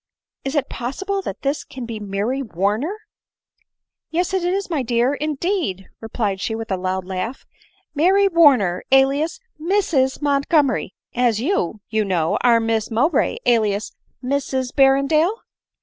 Is it possible that this clan be Mary Warner !" "Yes, it is, my dear, indeed," replied she with a loud laugh, " Mary Warner, alias Mrs Montgomery ; as you, you know, are Miss Mowbray, alias Mrs Berren dale."